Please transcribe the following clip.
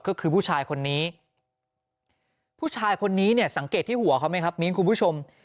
ก็คือผู้ชายคนนี้ผู้ชายคนนี้เนี่ยสังเกตที่หัวเขาไหมครับมิ้นคุณผู้ชม